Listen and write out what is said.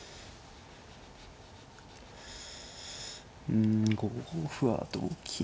うん５五歩は同金。